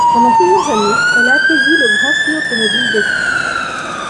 Pendant plusieurs années, elle a accueilli le Grand Prix automobile d'Autriche.